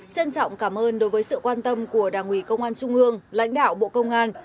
trân trọng cảm ơn đối với sự quan tâm của đảng ủy công an trung ương lãnh đạo bộ công an